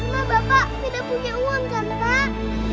karena bapak tidak punya uang kan pak